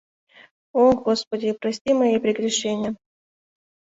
Ох, господи, прости мои прегрешения...